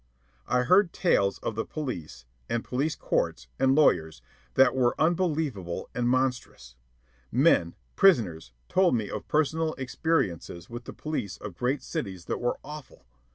I heard tales of the police, and police courts, and lawyers, that were unbelievable and monstrous. Men, prisoners, told me of personal experiences with the police of great cities that were awful.